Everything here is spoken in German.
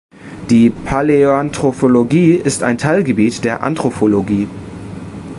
Die Paläoanthropologie ist ein Teilgebiet der Anthropologie.